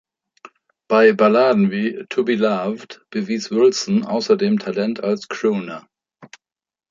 Bei Balladen wie "To Be Loved" bewies Wilson außerdem Talent als Crooner.